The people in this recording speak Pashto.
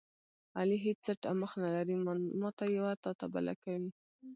علي هېڅ څټ او مخ نه لري، ماته یوه تاته بله کوي.